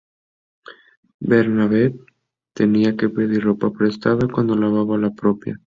Bernadette tenía que pedir ropa prestada cuando lavaba la propia.